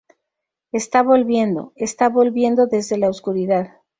Está volviendo, está volviendo desde la oscuridad.